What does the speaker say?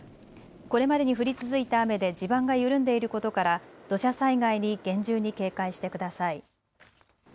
これまでに降り続いた雨で地盤が緩んでいることから土砂災害に厳重に警戒してください。